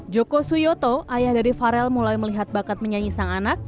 joko suyoto ayah dari farel mulai melihat bakat menyanyi sang anak